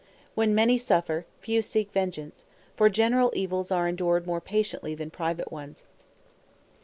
When many suffer, few seek vengeance; for general evils are endured more patiently than private ones.